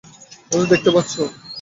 ওদের দেখতে পাচ্ছো?